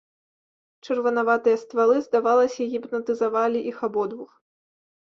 Чырванаватыя ствалы, здавалася, гіпнатызавалі іх абодвух.